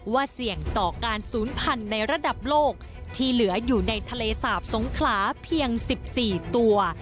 เสี่ยงต่อการศูนย์พันธุ์ในระดับโลกที่เหลืออยู่ในทะเลสาบสงขลาเพียง๑๔ตัว